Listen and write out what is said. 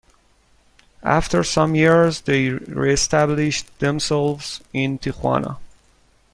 After some years, they reestablished themselves in Tijuana.